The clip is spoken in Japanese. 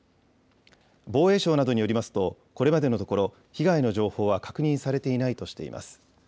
防衛省などによりますと、これまでのところ、被害の情報は確認されていないとしています。